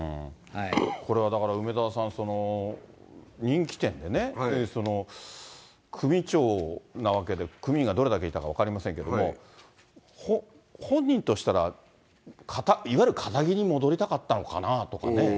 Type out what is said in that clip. これはだから梅沢さん、人気店でね、組長なわけで、組員がどれだけいたか分かりませんけれども、本人としたらいわゆるかたぎに戻りたかったのかなとかね。